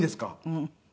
うん。